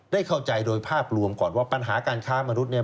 ได้เข้าใจโดยภาพรวมก่อนว่าปัญหาการค้ามนุษย์เนี่ย